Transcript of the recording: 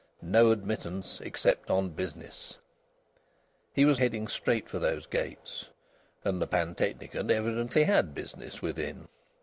No Admittance except on Business He was heading straight for those gates, and the pantechnicon evidently had business within.